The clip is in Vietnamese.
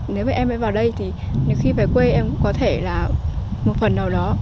nếu mà em mới vào đây thì khi về quê em cũng có thể là một phần nào đó